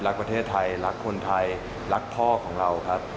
รักประเทศไทยรักคนไทยรักพ่อของเราครับ